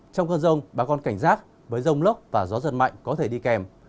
trong cơn rông bà con cảnh giác với rông lốc và gió giật mạnh có thể đi kèm